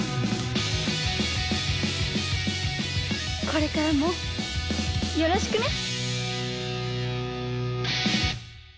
これからもよろしくね。